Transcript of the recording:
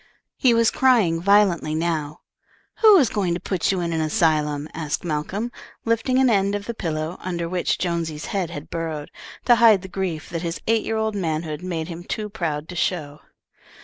He was crying violently now. "Who is going to put you in an asylum?" asked Malcolm, lifting an end of the pillow under which Jonesy's head had burrowed, to hide the grief that his eight year old manhood made him too proud to show.